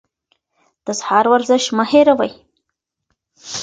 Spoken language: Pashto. د سهار ورزش مه هېروئ.